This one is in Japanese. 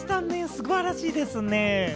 素晴らしいですね！